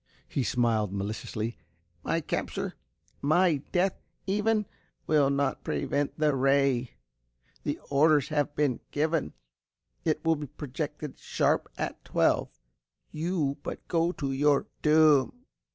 He smiled maliciously. "My capture, my death even, will not prevent the ray. The orders have been given. It will be projected sharp at twelve. You but go to your doom!"